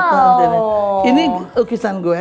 tau ini ukisan gue